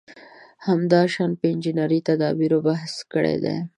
همداشان په انجنیري تدابېرو بحث کړی دی.